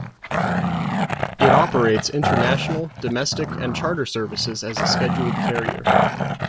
It operates international, domestic and charter services as a scheduled carrier.